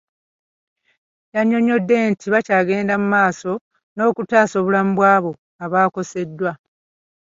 Annyonnyodde nti bakyagenda mu maaso n'okutaasa obulamu bw'abo abakoseddwa .